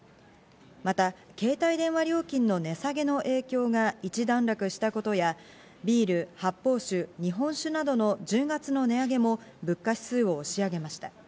また携帯電話料金の値下げの影響が一段落したことや、ビール、発泡酒、日本酒などの１０月の値上げも物価指数を押し上げました。